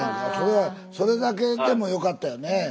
それはそれだけでもよかったよね。